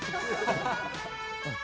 うん。